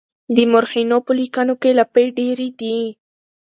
د مورخينو په ليکنو کې لافې ډېرې دي.